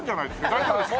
大丈夫ですか？